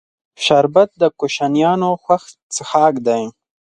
شربت د کوشنیانو خوښ څښاک دی